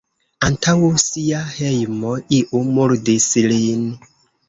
Antaŭ sia hejmo iu murdis lin.